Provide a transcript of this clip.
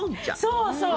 そうそう！